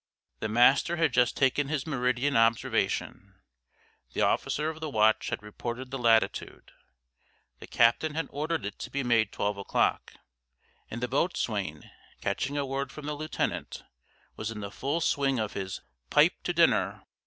The master had just taken his meridian observation, the officer of the watch had reported the latitude, the captain had ordered it to be made twelve o'clock, and the boatswain, catching a word from the lieutenant, was in the full swing of his "Pipe to dinner!"